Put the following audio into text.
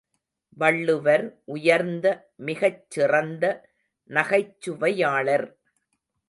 வள்ளுவர் உயர்ந்த மிகச் சிறந்த நகைச்சுவையாளர்.